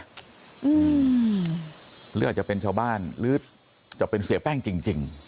หรืออาจจะเป็นชาวบ้านหรือจะเป็นเสียแป้งจริงจริง